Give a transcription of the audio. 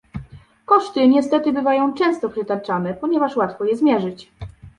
Koszty niestety bywają często przytaczane, ponieważ łatwo je zmierzyć